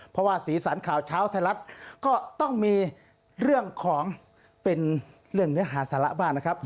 เพราะว่าสีสันข่าวเช้าไทยรัฐก็ต้องมีเรื่องของเป็นเรื่องเนื้อหาสาระบ้างนะครับ